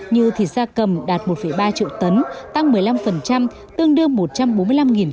như thịt da cầm đạt một ba triệu tấn tăng một mươi năm tương đương một trăm bốn mươi năm tấn